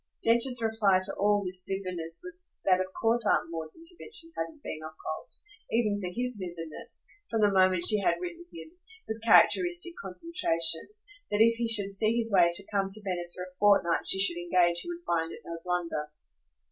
Densher's reply to all this vividness was that of course Aunt Maud's intervention hadn't been occult, even for HIS vividness, from the moment she had written him, with characteristic concentration, that if he should see his way to come to Venice for a fortnight she should engage he would find it no blunder.